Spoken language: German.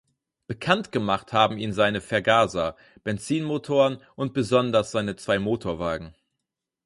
Bekannt gemacht haben ihn seine Vergaser, Benzinmotoren und besonders seine zwei Motorwagen.